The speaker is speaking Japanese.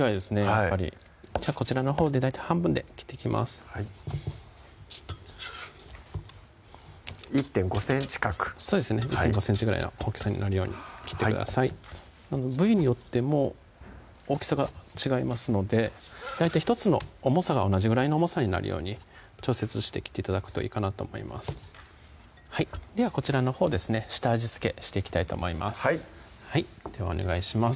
やっぱりじゃあこちらのほうで大体半分で切っていきます１．５ｃｍ角そうですね１．５ｃｍぐらいの大きさになるように切ってください部位によっても大きさが違いますので大体１つの重さが同じぐらいの重さになるように調節して切って頂くといいかなと思いますではこちらのほうですね下味付けしていきたいと思いますではお願いします